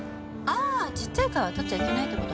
ああちっちゃい貝は採っちゃいけないって事ね。